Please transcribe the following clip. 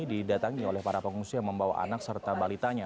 didatangi oleh para pengungsi yang membawa anak serta balitanya